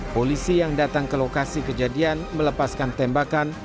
polisi yang datang ke lokasi kejadian melepaskan tembakan